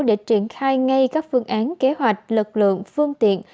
để triển khai ngay các phương án kế hoạch lực lượng phương tiện